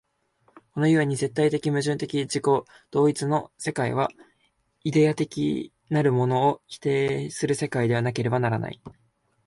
この故に絶対矛盾的自己同一の世界は、イデヤ的なるものをも否定する世界でなければならない。